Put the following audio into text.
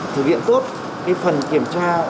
thực hiện tốt phần kiểm tra